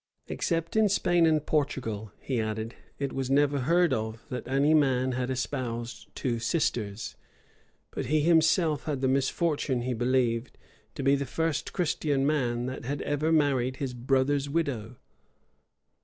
Except in Spain and Portugal, he added, it was never heard of, that any man had espoused two sisters; but he himself had the misfortune, he believed, to be the first Christian man that had ever married his brother's widow.